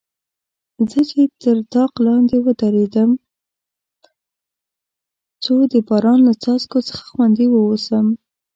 چې زه تر طاق لاندې ودریږم، څو د باران له څاڅکو څخه خوندي واوسم.